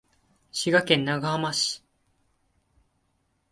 滋賀県長浜市